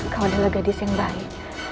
kau adalah gadis yang baik